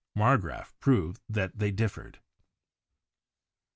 Marggraf proved that they differed.